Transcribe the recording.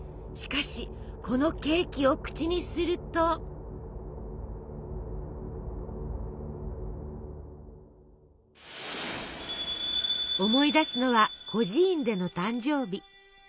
しかしこのケーキを口にすると思い出すのは孤児院での誕生日。